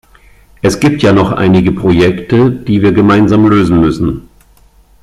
Es gibt ja noch einige Projekte, die wir gemeinsam lösen müssen.